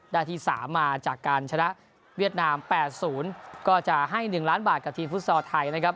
ได้ที่๓มาจากการชนะเวียดนาม๘๐ก็จะให้๑ล้านบาทกับทีมฟุตซอลไทยนะครับ